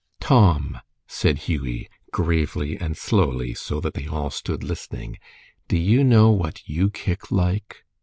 "Tom," said Hughie, gravely and slowly, so that they all stood listening, "do you know what you kick like?"